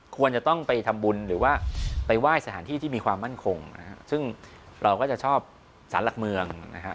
ควรจะต้องไปทำบุญหรือว่าไปไหว้สถานที่ที่มีความมั่นคงนะฮะซึ่งเราก็จะชอบสารหลักเมืองนะฮะ